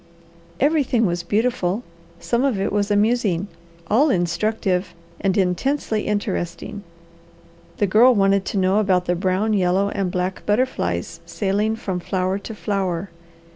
Everything was beautiful, some of it was amusing, all instructive, and intensely interesting. The Girl wanted to know about the brown, yellow, and black butterflies sailing from flower to flower.